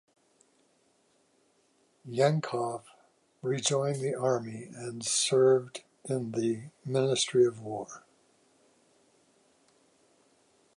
Yankov rejoined the army and served in the Ministry of War.